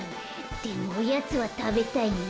でもおやつはたべたいな。